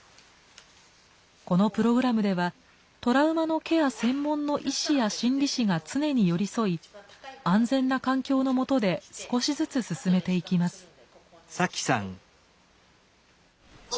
このプログラムではトラウマのケア専門の医師や心理師が常に寄り添い安全な環境のもとで少しずつ進めていきます。